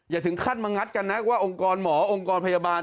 อย่าถึงคาดมังงัดกันนะว่าองค์กรหมอองค์กรพยาบาล